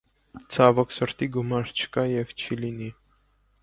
Ցավոք սրտի, գումար չկա և չի լինի։